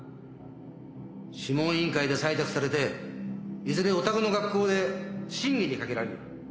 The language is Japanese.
諮問委員会で採択されていずれお宅の学校で審議にかけられる。